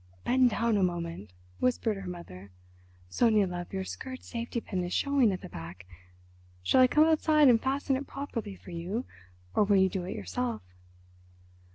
"Bend down a moment," whispered her mother. "Sonia, love, your skirt safety pin is showing at the back. Shall I come outside and fasten it properly for you, or will you do it yourself?"